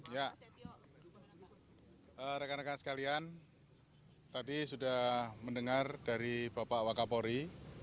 ya rekan rekan sekalian tadi sudah mendengar dari bapak wakapori